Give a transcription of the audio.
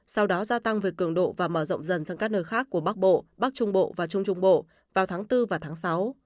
sau đó gia tăng về cường độ và mở rộng dần sang các nơi khác của bắc bộ bắc trung bộ và trung trung bộ vào tháng bốn và tháng sáu